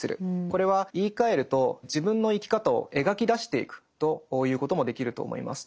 これは言いかえると自分の生き方を描き出していくと言うこともできると思います。